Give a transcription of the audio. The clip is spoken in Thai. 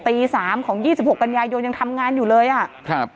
ตี๓ของ๒๖กันยายนยังทำงานอยู่เลยอะ